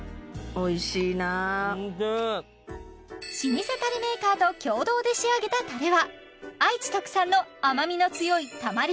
おいしい老舗タレメーカーと共同で仕上げたタレは愛知特産の甘みの強いたまり